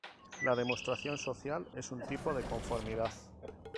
La demostración social es un tipo de conformidad.